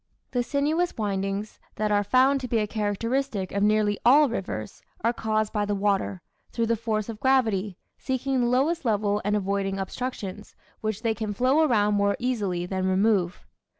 The sinuous windings, that are found to be a characteristic of nearly all rivers, are caused by the water, through the force of gravity, seeking the lowest level, and avoiding obstructions, which they can flow around more easily than remove.